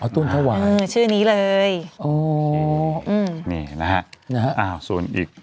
อ๋อตูนถวายอืมชื่อนี้เลยอ๋ออืมนี่นะฮะอ้าวส่วนอีก